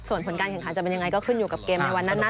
ส่วนผลการแข่งขันจะเป็นยังไงก็ขึ้นอยู่กับเกมในวันนั้นนะ